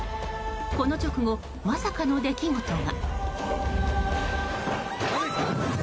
この直後、まさかの出来事が。